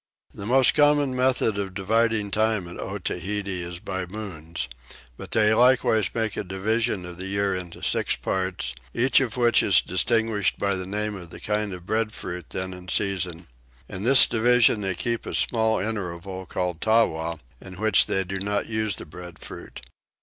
The most common method of dividing time at Otaheite is by moons; but they likewise make a division of the year into six parts, each of which is distinguished by the name of the kind of breadfruit then in season. In this division they keep a small interval called Tawa in which they do not use the breadfruit.